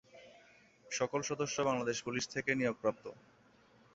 সকল সদস্য বাংলাদেশ পুলিশ থেকে নিয়োগপ্রাপ্ত।